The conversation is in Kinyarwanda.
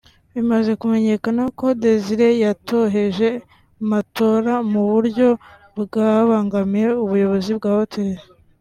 Bimaze kumenyekana ko Desire yatoheje matora mu buryo bwabangamiye ubuyobozi bwa Hoteli